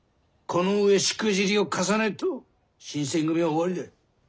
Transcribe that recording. この上しくじりを重ねっと新選組は終わりだ。